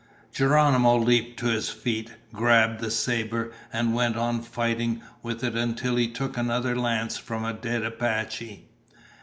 Geronimo leaped to his feet, grabbed the saber, and went on fighting with it until he took another lance from a dead Apache.